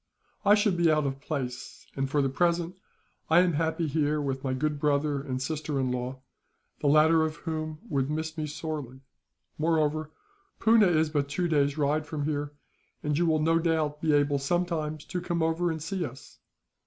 I should be out of place and, for the present, I am happy here with my good brother and sister in law, the latter of whom would miss me sorely. Moreover, Poona is but two days' ride from here, and you will no doubt be able sometimes to come over and see us.